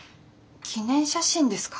記念写真ですか？